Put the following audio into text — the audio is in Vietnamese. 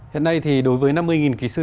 hiện nay thì đối với năm mươi kỹ sư